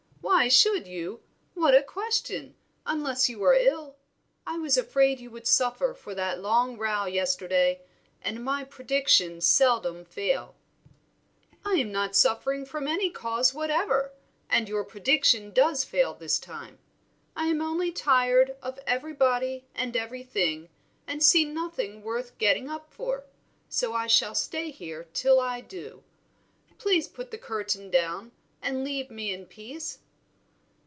"Why should you? What a question, unless you are ill; I was afraid you would suffer for that long row yesterday, and my predictions seldom fail." "I am not suffering from any cause whatever, and your prediction does fail this time; I am only tired of everybody and everything, and see nothing worth getting up for; so I shall just stay here till I do. Please put the curtain down and leave me in peace."